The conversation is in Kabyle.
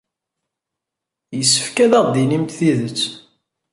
Yessefk ad aɣ-d-tinimt tidet.